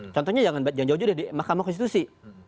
contohnya jangan jauh jauh deh di mahkamah konstitusi